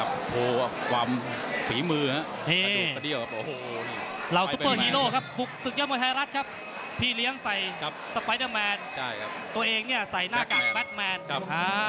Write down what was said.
บวยรองผู้เอกกันแล้วนะครับ